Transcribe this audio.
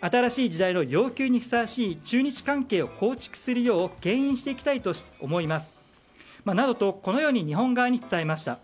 新しい時代の要求にふさわしい中日関係を構築するよう牽引していきたいと思いますなどとこのように日本側に伝えました。